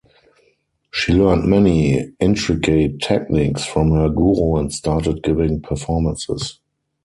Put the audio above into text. She learned many intricate techniques from her guru and started giving performances.